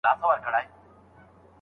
زه خوارکی يم، لکه ټپه انتظار